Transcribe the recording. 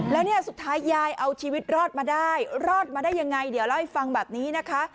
แล้วเนี่ยสุดท้ายยายเอาชีวิตรอดมาได้รอดมาได้ยังไงเดี๋ยวเล่าให้ฟังแบบนี้นะคะ